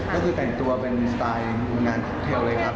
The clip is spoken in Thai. ก็คือแต่งตัวเป็นสไตล์งานเทลเลยครับ